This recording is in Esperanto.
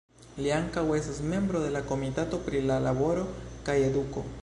Li ankaŭ estas membro de la Komitato pri La Laboro kaj Eduko.